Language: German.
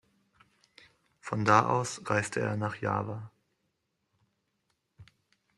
Von da aus reiste er nach Java.